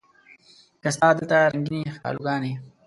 لکه ستا دلته رنګینې ښکالو ګانې